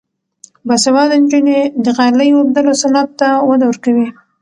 باسواده نجونې د غالۍ اوبدلو صنعت ته وده ورکوي.